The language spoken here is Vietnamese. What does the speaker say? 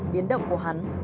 biến động của hắn